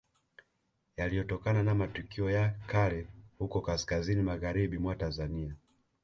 Yaliyotokana na matukio ya kale huko kaskazini magharibi mwa Tanzania